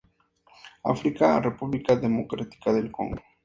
África, República Democrática del Congo.